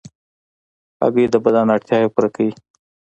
هګۍ د بدن اړتیاوې پوره کوي.